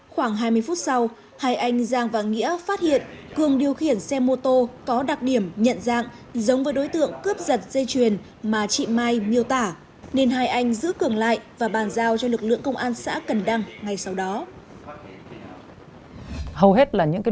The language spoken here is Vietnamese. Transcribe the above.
khoảng hai mươi phút sau hai anh giang và nghĩa phát hiện cường điều khiển xe mô tô có đặc điểm nhận dạng giống với đối tượng cướp giật dây chuẩn mà chị mai miêu tả